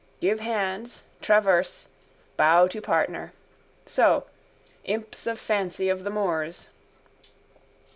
Give hands, traverse, bow to partner: so: imps of fancy of the Moors.